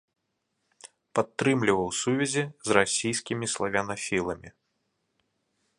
Падтрымліваў сувязі з расійскімі славянафіламі.